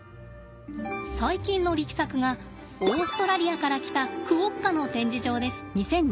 最近の力作がオーストラリアから来たクオッカの展示場です。